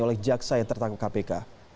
oleh jaksa yang tertangkap kpk